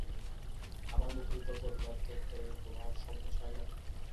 আমার মুখের উপর প্রতিবাদ করতে তোমার সংকোচ হয় না?